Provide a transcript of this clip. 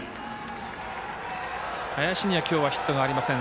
林には今日ヒットがありません。